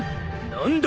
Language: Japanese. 何だ！？